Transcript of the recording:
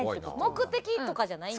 目的とかじゃないんだ？